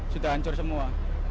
sudah hancur semua